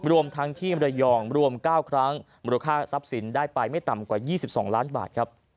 รวมทั้งที่มรยองรวม๙ครั้งมูลค่าทรัพย์สินได้ไปไม่ต่ำกว่า๒๒ล้านบาทครับ